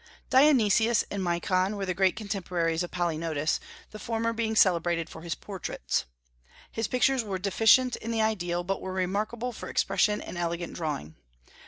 Dionysius and Mikon were the great contemporaries of Polygnotus, the former being celebrated for his portraits. His pictures were deficient in the ideal, but were remarkable for expression and elegant drawing.